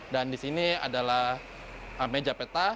dan disini adalah meja peta